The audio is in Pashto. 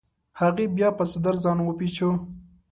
هغې بیا په څادر ځان وپیچوه.